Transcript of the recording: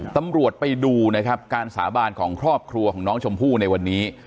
ตำรวจไปดูนะครับการสาบานของครอบครัวของน้องชมพู่ในวันนี้